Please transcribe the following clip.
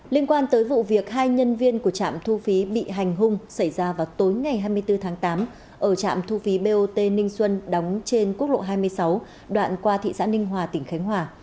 liên quan tới vụ việc hai nhân viên của trạm thu phí bị hành hung xảy ra vào tối ngày hai mươi bốn tháng tám ở trạm thu phí bot ninh xuân đóng trên quốc lộ hai mươi sáu đoạn qua thị xã ninh hòa tỉnh khánh hòa